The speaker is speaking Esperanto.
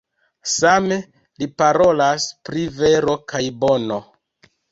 Same li parolas pri vero kaj bono.